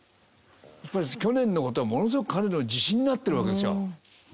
やっぱり去年の事はものすごく彼の自信になってるわけですよ。